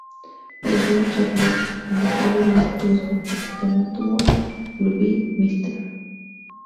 Volvió a Charlton, donde creó algunos títulos como Capitán Átomo, Blue Beetle, Mr.